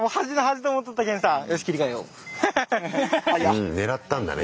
うん狙ったんだね